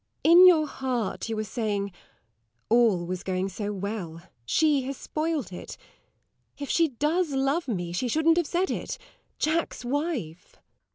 In your heart you are saying, "All was going so well she has spoiled it! If she does love me she shouldn't have said it Jack's wife!" SIR GEOFFREY.